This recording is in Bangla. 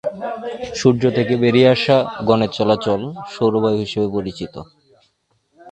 সূর্য থেকে বেরিয়ে আসা গণের চলাচল সৌর বায়ু হিসাবে পরিচিত।